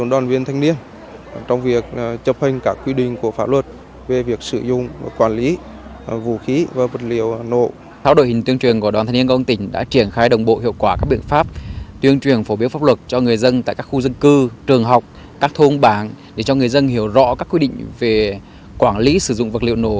đội quản lý sử dụng vũ khí vật liệu nổ công cụ hỗ trợ và nghị định của chính phủ về quản lý sử dụng vật liệu nổ